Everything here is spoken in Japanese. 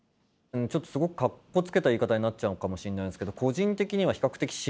ちょっとすごくかっこつけた言い方になっちゃうかもしれないですけど